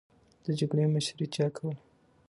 د جګړې مشري چا کوله؟